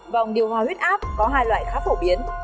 vòng điều hòa huyết áp có hai loại khá phổ biến